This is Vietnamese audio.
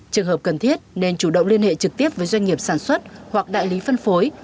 trường hợp cần thiết nên chủ động liên hệ trực tiếp với doanh nghiệp sản xuất hoặc đại lý phân phối